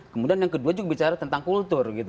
kemudian yang kedua juga bicara tentang kultur gitu